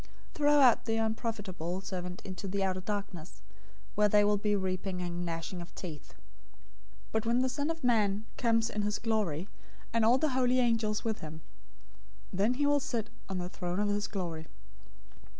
025:030 Throw out the unprofitable servant into the outer darkness, where there will be weeping and gnashing of teeth.' 025:031 "But when the Son of Man comes in his glory, and all the holy angels with him, then he will sit on the throne of his glory.